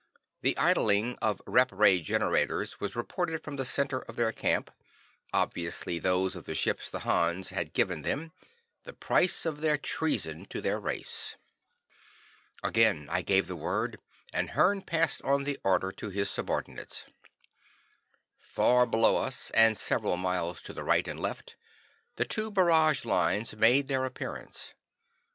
The idling of rep ray generators was reported from the center of their camp, obviously those of the ships the Hans had given them the price of their treason to their race. Again I gave the word, and Hearn passed on the order to his subordinates. Far below us, and several miles to the right and left, the two barrage lines made their appearance.